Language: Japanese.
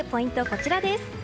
こちらです。